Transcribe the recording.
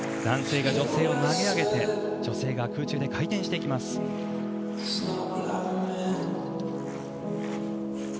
男性が女性を投げ上げて女性が空中で回転していきます。